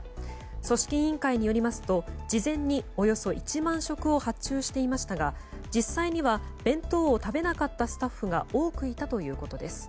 組織委員会によりますと事前におよそ１万食を発注していましたが実際には弁当を食べなかったスタッフが多くいたということです。